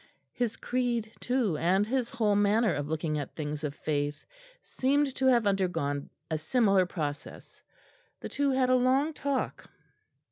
His creed too, and his whole manner of looking at things of faith, seemed to have undergone a similar process. The two had a long talk.